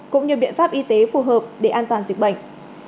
cũng như biện pháp y tế phù hợp để an toàn dịch bệnh